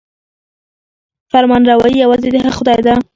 فرمانروايي یوازې د هغه خدای ده.